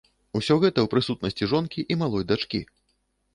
Усё гэта ў прысутнасці жонкі і малой дачкі.